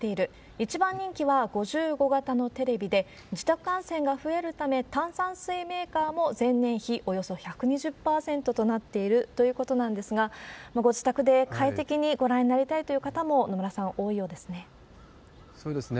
一番人気は５５型のテレビで、自宅観戦が増えるため、炭酸水メーカーも前年比およそ１２０％となっているということなんですが、ご自宅で快適にご覧になりたいという方も、野村さん、多いようでそうですね。